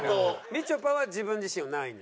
みちょぱは自分自身を何位に？